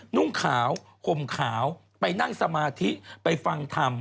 นุ่งขาวห่มขาวไปนั่งสมาธิไปฟังธรรม